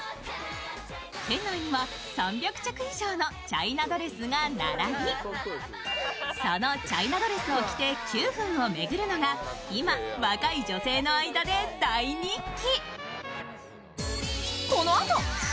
店内には３００着以上のチャイナドレスが並び、そのチャイナドレスを着て九フンを回るのが今、若い女性の間で大人気。